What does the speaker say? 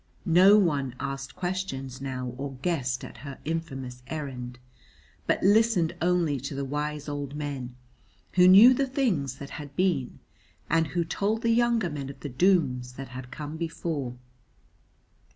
No one asked questions now or guessed at her infamous errand, but listened only to the wise old men who knew the things that had been, and who told the younger men of the dooms that had come before.